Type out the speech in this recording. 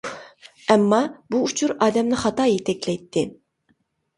ئەمما، بۇ ئۇچۇر ئادەمنى خاتا يېتەكلەيتتى.